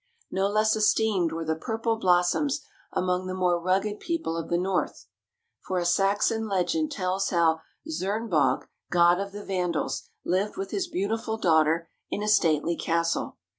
No less esteemed were the purple blossoms among the more rugged people of the North, for a Saxon legend tells how Czernebogh, god of the Vandals, lived with his beautiful daughter in a stately castle.